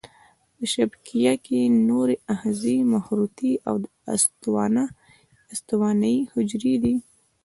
په شبکیه کې نوري آخذې مخروطي او استوانه یي حجرې دي.